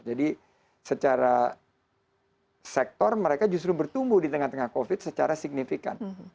jadi secara sektor mereka justru bertumbuh di tengah tengah covid secara signifikan